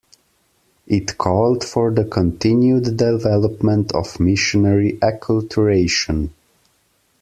It called for the continued development of missionary acculturation.